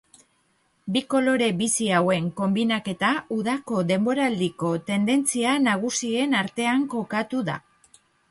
Bi kolore bizi hauen konbinaketa udako denboraldiko tendentzia nagusien artean kokatu da.